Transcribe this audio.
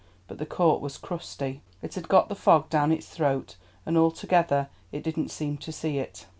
But the Court was crusty. It had got the fog down its throat, and altogether It didn't seem to see it.